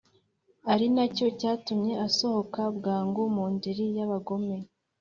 ari na cyo cyatumye asohoka bwangu mu ndiri y’abagome.